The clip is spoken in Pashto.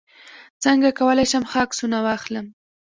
څنګه کولی شم ښه عکسونه واخلم